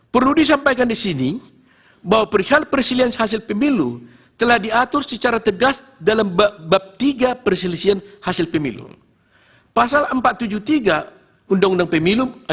perlu disampaikan di sini bahwa perihal perselihan hasil pemilu telah diatur secara tegas dalam bab tiga perselisihan hasil pemilu